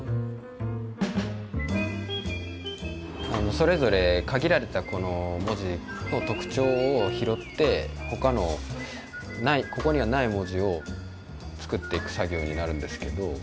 それぞれ限られたこの文字の特徴を拾ってほかのここにはない文字を作っていく作業になるんですけど。